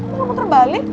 lo gak muter balik